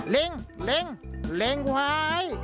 ลิงหวาย